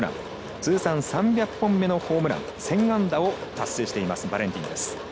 通算３００本目のホームラン１０００安打を達成していますバレンティンです。